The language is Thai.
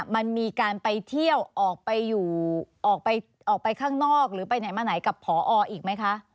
มันมีการไปเที่ยวออกไปอยู่ออกไปข้างนอกหรือไปไหนมาไหนกับพออีกไหมคะ